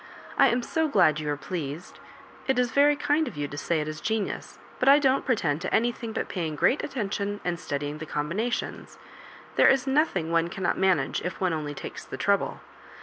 I am so glad you are pleased. It is very kmd of you to say it is genius, but I don't pretend to anything but {»ying great attention and studying the combinations. There is nothing one cannot manage if one only takes the trouble.